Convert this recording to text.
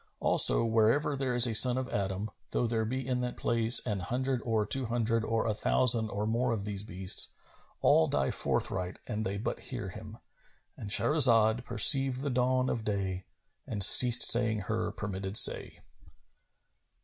Also, wherever there is a son of Adam, though there be in that place an hundred or two hundred or a thousand or more of these beasts, all die forthright an they but hear him,—And Shahrazad perceived the dawn of day and ceased saying her permitted say.